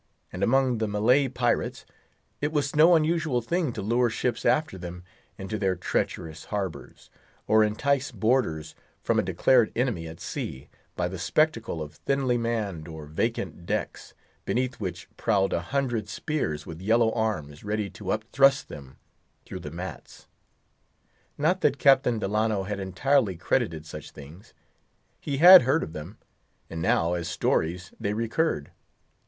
And among the Malay pirates, it was no unusual thing to lure ships after them into their treacherous harbors, or entice boarders from a declared enemy at sea, by the spectacle of thinly manned or vacant decks, beneath which prowled a hundred spears with yellow arms ready to upthrust them through the mats. Not that Captain Delano had entirely credited such things. He had heard of them—and now, as stories, they recurred.